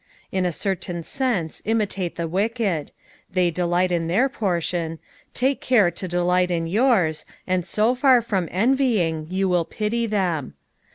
In a certain Bense imitate the wicked ; they delight in their portion — take care to delight in yojrs, and so far from envying you will pity them.